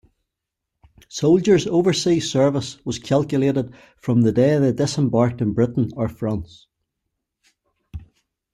Soldiers' Overseas Service was calculated from the day they disembarked in Britain or France.